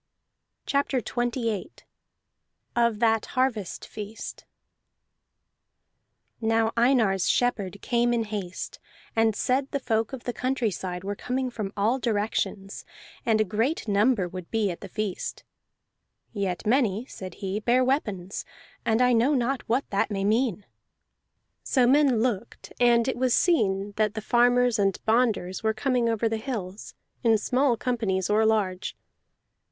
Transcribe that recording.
CHAPTER XXVIII OF THAT HARVEST FEAST Now Einar's shepherd came in haste, and said the folk of the country side were coming from all directions, and a great number would be at the feast. "Yet many," said he, "bear weapons, and I know not what that may mean." So men looked, and it was seen that the farmers and bonders were coming over the hills, in small companies or large.